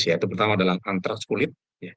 yang pertama adalah antraks kulit